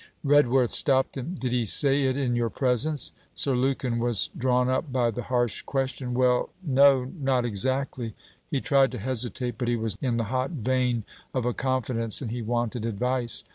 Redworth stopped him. 'Did he say it in your presence?' Sir Lukin was drawn up by the harsh question. 'Well, no; not exactly.' He tried to hesitate, but he was in the hot vein of a confidence and he wanted advice.